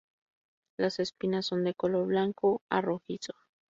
Las espinas son de color blanco a rojizo.